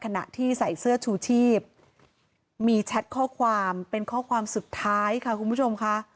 ขณะที่ใส่เสื้อชูชีพมีแชทข้อความเป็นข้อความสุดท้ายค่ะคุณผู้ชมค่ะ